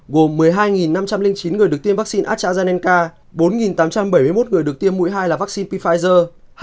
gồm một mươi hai năm trăm linh chín người được tiêm vaccine astrazeneca bốn tám trăm bảy mươi một người được tiêm mũi hai là vaccine pfizer